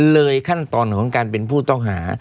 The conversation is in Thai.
ขั้นตอนของการเป็นผู้ต้องหา